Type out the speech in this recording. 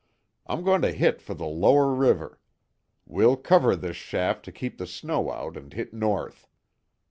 I'm going to hit for the lower river. We'll cover this shaft to keep the snow out and hit north.